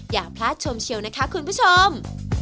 อย่าพลาดชมเชียวนะคะคุณผู้ชม